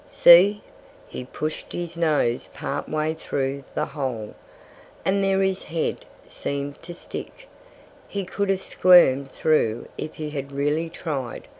"See!" He pushed his nose part way through the hole. And there his head seemed to stick. He could have squirmed through if he had really tried.